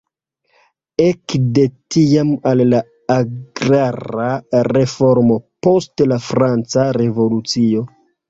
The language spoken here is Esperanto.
Ekde tiam al la agrara reformo post la Franca Revolucio.